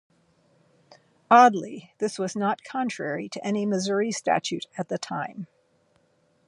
Oddly, this was not contrary to any Missouri statute at the time.